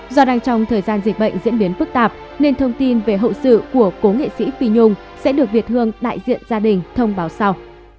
do đang trong thời gian dịch bệnh diễn biến phức tạp nên thông tin về hậu sự của cố nghệ sĩ pi nhung sẽ được việt hương đại diện gia đình thông báo sau